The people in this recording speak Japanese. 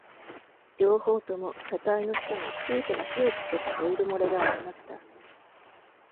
両方とも車体の下に小さな火をつけたオイル漏れがありました。